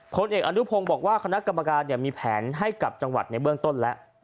ผลเอกอนุพงศ์บอกว่าคณะกรรมการมีแผนให้กับจังหวัดในเบื้องต้นแล้ว